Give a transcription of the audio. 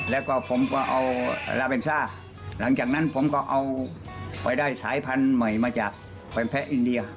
แล้วก็ผมก็เอาลาเบนซ่าหลังจากนั้นผมก็เอาไปได้สายพันธุ์ใหม่มาจากไปแพ้อินเดีย